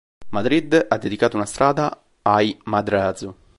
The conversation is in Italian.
Madrid ha dedicato una strada ai Madrazo.